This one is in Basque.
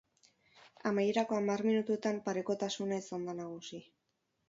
Amaierako hamar minutuetan parekotasuna izan da nagusi.